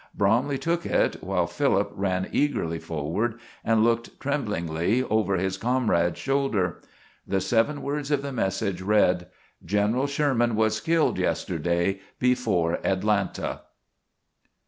Bromley took it, while Philip ran eagerly forward and looked tremblingly over his comrade's shoulder. The seven words of the message read: "_General Sherman was killed yesterday before Atlanta.